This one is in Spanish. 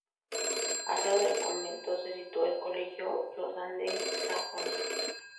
Al lado del convento se sitúa el colegio Jordan de Sajonia.